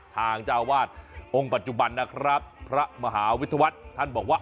ทางเจ้าวาดองค์ปัจจุบันนะครับพระมหาวิทยาวัฒน์ท่านบอกว่า